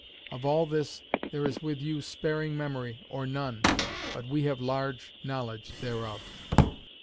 Of all this, there is with you sparing memory, or none; but we have large knowledge thereof.